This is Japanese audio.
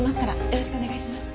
よろしくお願いします。